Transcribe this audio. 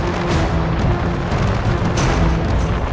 ayo kita pergi ke tempat yang lebih baik